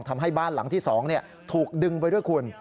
ทำให้บ้านหลังที่๒ถูกดึงไปด้วยคุณ